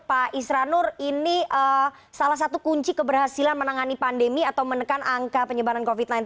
pak isranur ini salah satu kunci keberhasilan menangani pandemi atau menekan angka penyebaran covid sembilan belas